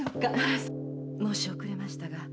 申し遅れましたが